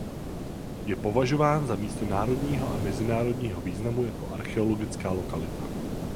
Je považován za místo národního a mezinárodního významu jako archeologická lokalita.